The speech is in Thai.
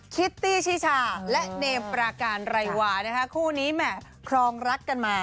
คิตตี้ชิชาและเนมปราการไรวานะคะคู่นี้แหม่ครองรักกันมา